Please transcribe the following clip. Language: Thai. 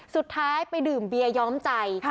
สุดท้ายไปดื่มเบียย้อมใจ